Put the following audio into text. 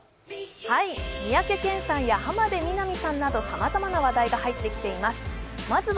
三宅健さんや浜辺美波さんなどさまざまな話題が入ってきています。